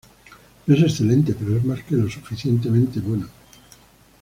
No es excelente, pero es más que lo suficientemente bueno".